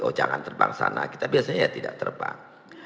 oh jangan terbang sana kita biasanya ya tidak terbang